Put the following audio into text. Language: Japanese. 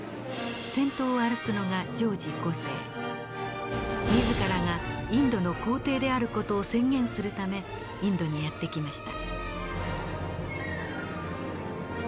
先頭を歩くのが自らがインドの皇帝である事を宣言するためインドにやって来ました。